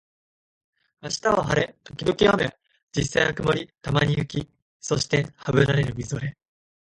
明日は晴れ、時々雨、実際は曇り、たまに雪、そしてハブられるみぞれ